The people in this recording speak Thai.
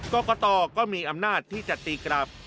กรกตก็มีอำนาจที่จะตีกลับ